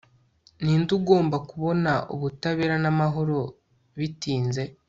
Ninde ugomba kubona ubutabera namahoro bitinze